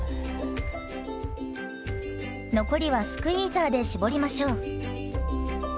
残りはスクイーザーで搾りましょう。